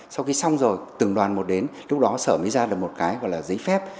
sau khi xong rồi từng đoàn một đến lúc đó sở mới ra được một cái gọi là giấy phép